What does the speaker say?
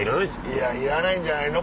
いやいらないんじゃないの？